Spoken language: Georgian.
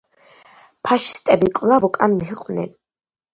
ფაშისტები კვლავ უკან მიჰყვნენ.